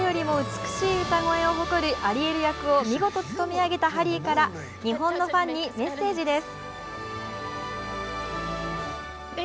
誰よりも美しい歌声を誇るアリエル役を見事務め上げたハリーから日本のファンにメッセージです。